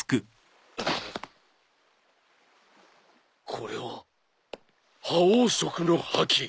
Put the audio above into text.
これは覇王色の覇気。